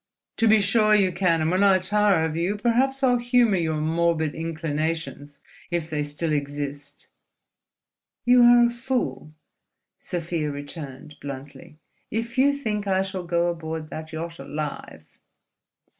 "To be sure you can! And when I tire of you, perhaps I'll humour your morbid inclinations—if they still exist." "You are a fool," Sofia returned, bluntly, "if you think I shall go aboard that yacht alive."